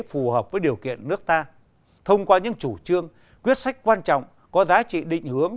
phù hợp với điều kiện nước ta thông qua những chủ trương quyết sách quan trọng có giá trị định hướng